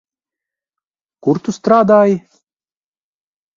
Kur tu strādāji?